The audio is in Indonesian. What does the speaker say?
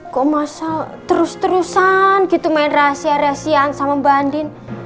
kok masalah terus terusan gitu main rahasia rahasian sama mba andin